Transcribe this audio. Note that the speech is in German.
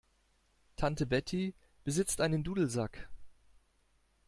Tante Betty besitzt einen Dudelsack.